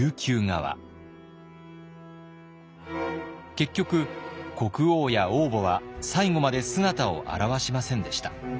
結局国王や王母は最後まで姿を現しませんでした。